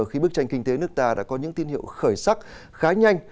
khi bức tranh kinh tế nước ta đã có những tin hiệu khởi sắc khá nhanh